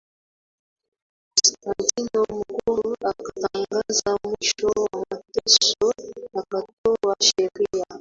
Konstantino Mkuu akatangaza mwisho wa mateso Akatoa sheria